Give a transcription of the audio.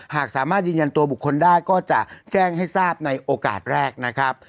หากสามารถยืนยันตัวบุคคลได้ก็จะแจ้งให้ทราบในโอกาสแรกนะครับ